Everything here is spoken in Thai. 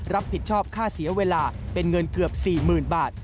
รับผิดชอบค่าเสียเวลาเป็นเงินเกือบ๔๐๐๐บาท